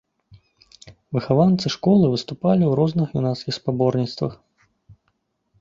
Выхаванцы школы выступалі ў розных юнацкіх спаборніцтвах.